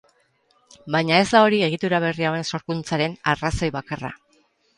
Baina ez da hori egitura berri hauen sorkuntzaren arrazoi bakarra.